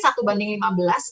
satu banding lima belas